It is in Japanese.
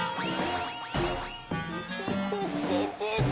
いてててててて。